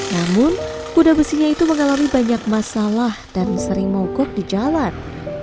namun kuda besinya itu mengalami banyak masalah dan sering mogok di jalan